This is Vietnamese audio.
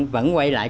vẫn quay lại